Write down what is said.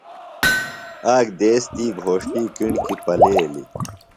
آک دیس تی گھوݜٹی کِݨکیۡ پلیلیۡ۔